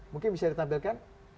mungkin bisa ditampilkan